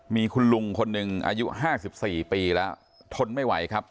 มีคุณลุงคนหนึ่งอายุ๕๔ปีแล้วทนไม่ไหวครับ